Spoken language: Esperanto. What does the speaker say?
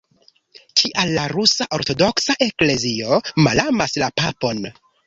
Kial la rusa ortodoksa eklezio malamas la papon?